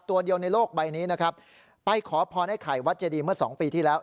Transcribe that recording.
ตัวเดียวในโลกใบนี้นะครับไปขอพรไอ้ไข่วัดเจดีเมื่อสองปีที่แล้ว